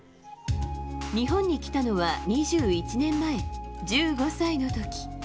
日本に来たのは２１年前１５歳の時。